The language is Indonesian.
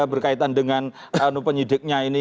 berkaitan dengan penyidiknya ini